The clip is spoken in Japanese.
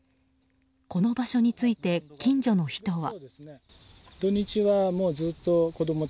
この場所について、近所の人は。